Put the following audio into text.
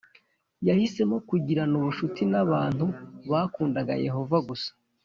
Yahisemo kugirana ubucuti n’abantu bakundaga Yehova gusa